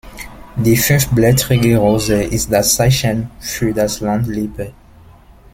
Die fünfblättrige Rose ist das Zeichen für das Land Lippe.